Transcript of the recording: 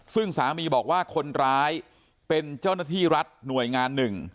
ซึ่งสามีบอกว่าคนร้ายเป็นเจ้าหน้าที่รัฐหน่วยงานหนึ่ง